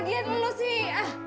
lagian lu lu sih